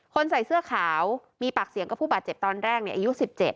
ใส่เสื้อขาวมีปากเสียงกับผู้บาดเจ็บตอนแรกอายุ๑๗